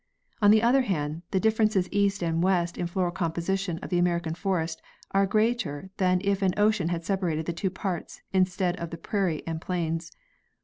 On the other hand, the differences east and west in floral composition of the American forest are greater than if an ocean had separated the two parts instead of the prairie and plains.